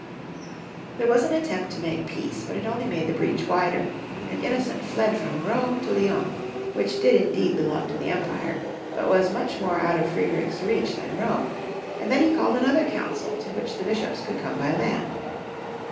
* There was an attempt to make peace, but it only made the breach wider, and Innocent fled from Rome to Lyons, which did indeed belong to the empire, but was much more out of Friedrich's reach than Rome, and then he called another council, to which the bishops could come by land.